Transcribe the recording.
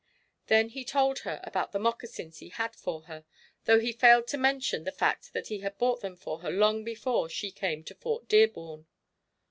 Then he told her about the moccasins he had for her, though he failed to mention the fact that he had bought them for her long before she came to Fort Dearborn.